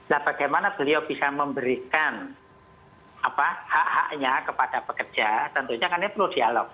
nah bagaimana beliau bisa memberikan hak haknya kepada pekerja tentunya karena ini perlu dialog